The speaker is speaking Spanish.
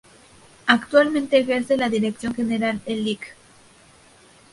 Actualmente ejerce la dirección general el Lic.